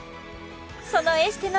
そのエステの